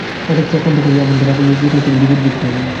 হঠাৎ চক্রান্ত এমন করিয়া ধরা পড়িল দেখিয়া তিনি বিপদ বোধ করিলেন।